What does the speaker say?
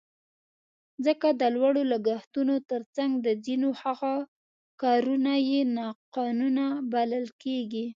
ځکه د لوړو لګښتونو تر څنګ د ځینو هغو کارونه یې ناقانونه بلل کېږي.